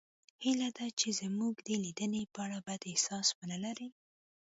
هیله ده چې زموږ د لیدنې په اړه بد احساس ونلرئ